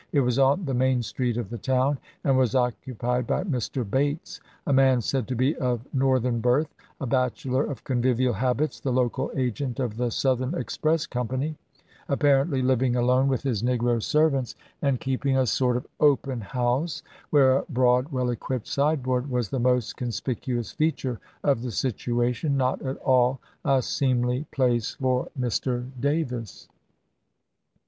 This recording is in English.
It was on the main street of the town, and was occupied by Mr. Bates, a man said to be of North ern birth, a bachelor of convivial habits, the local agent of the Southern Express Company, appar ently living alone with his negro servants, and THE CAPTUKE OF JEFFERSON DAVIS 26b keeping a sort of 'open house,' where a broad, well equipped sideboard was the most conspicuous feature of the situation — not at all a seemly place for Mr. Davis."